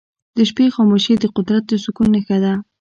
د شپې خاموشي د قدرت د سکون نښه ده.